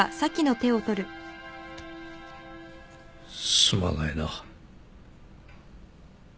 すまないな。